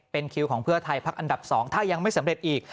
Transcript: เป็นคิวของเพื่อไทยพักอันดับ๒ถ้ายังไม่สำเร็จอีก